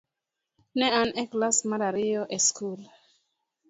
Ne an e klas mar ariyo e skul.